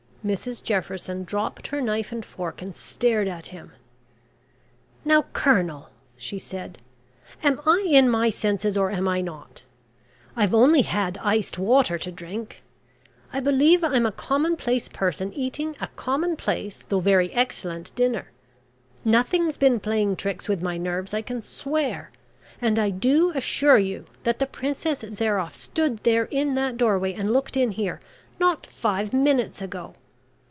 Mrs Jefferson dropped her knife and fork and stared at him. "Now, Colonel," she said, "am I in my senses, or am I not? I've only had iced water to drink. I believe I'm a commonplace person eating a commonplace, though very excellent, dinner. Nothing's been playing tricks with my nerves I can swear, and I do assure you that the Princess Zairoff stood there in that doorway and looked in here, not five minutes ago.